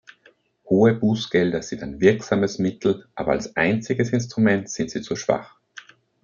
Hohe Bußgelder sind ein wirksames Mittel, aber als einziges Instrument sind sie zu schwach.